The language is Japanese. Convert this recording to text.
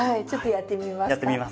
やってみます。